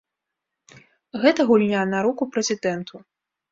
Гэта гульня на руку прэзідэнту.